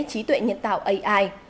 trí tuệ nhân tạo ai